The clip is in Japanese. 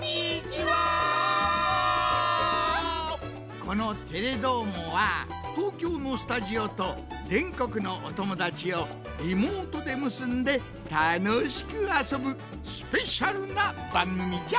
この「テレどーも！」は東京のスタジオとぜんこくのおともだちをリモートでむすんでたのしくあそぶスペシャルなばんぐみじゃ。